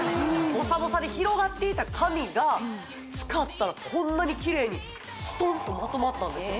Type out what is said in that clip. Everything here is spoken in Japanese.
ボサボサで広がっていた髪が使ったらこんなにキレイにストンとまとまったんですよ